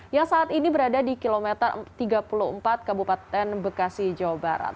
yang saat ini berada di kilometer tiga puluh empat kabupaten bekasi jawa barat